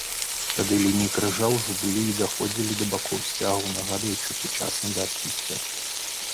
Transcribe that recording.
Тады лініі крыжа ўжо былі і даходзілі да бакоў сцягу, нагадваючы сучасны дацкі сцяг.